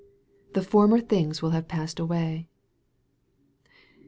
The former things will have passed away.